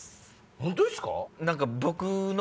本当ですか？